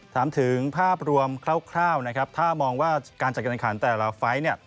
ถามถึงภาพรวมคร่าวนะครับถ้ามองว่าการจัดการขันแต่ละไฟล์เนี่ย